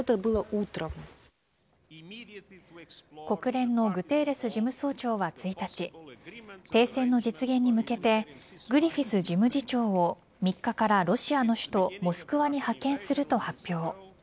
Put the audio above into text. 国連のグテーレス事務総長は１日停戦の実現に向けてグリフィス事務次長を３日からロシアの首都モスクワに派遣すると発表。